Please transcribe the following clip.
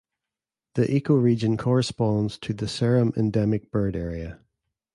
The ecoregion corresponds to the Seram endemic bird area.